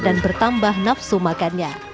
dan bertambah nafsu makannya